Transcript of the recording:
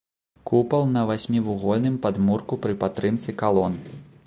Купал на васьмівугольным падмурку пры падтрымцы калон.